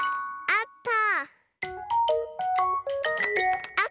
あった！